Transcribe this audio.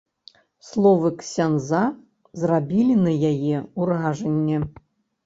Словы ксяндза зрабілі на яе ўражанне.